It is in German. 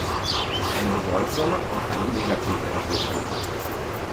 Das ist eine bedeutsame und eine negative Entwicklung.